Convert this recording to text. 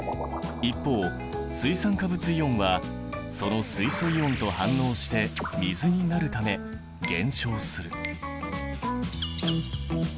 一方水酸化物イオンはその水素イオンと反応して水になるため減少する。